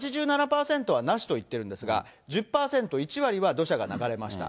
８７％はなしと言ってるんですが、１０％、１割は土砂が流れました。